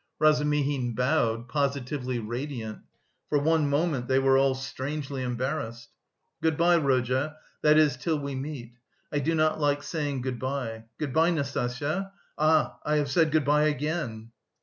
Razumihin bowed, positively radiant. For one moment, they were all strangely embarrassed. "Good bye, Rodya, that is till we meet. I do not like saying good bye. Good bye, Nastasya. Ah, I have said good bye again."